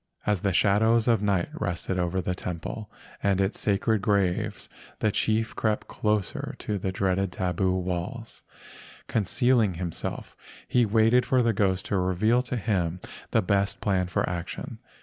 As the shadows of night rested over the temple * Aleurites Moluccana. 12 LEGENDS OF GHOSTS and its sacred grave the chief crept closer to the dreaded tabu walls. Concealing himself he waited for the ghost to reveal to him the best plan for action.